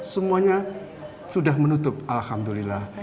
semuanya sudah menutup alhamdulillah